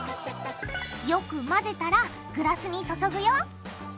よく混ぜたらグラスに注ぐよ。